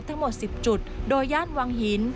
ทั้งหมด๑๐จุดโดยย่านวังหิน